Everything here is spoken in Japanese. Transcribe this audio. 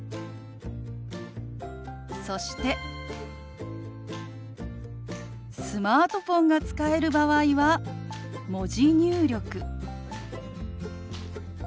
そしてスマートフォンが使える場合は文字入力。